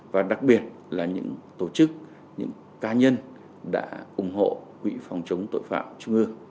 và đặc biệt là những tổ chức những cá nhân đã ủng hộ quỹ phòng chống tội phạm trung ương